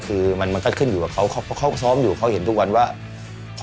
คือบางทีก็ลำบาก